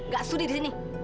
gak sudi di sini